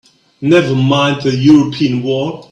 Never mind the European war!